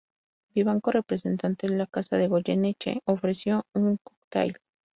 Vivanco, representante de la Casa de Goyeneche, ofreció un cocktail.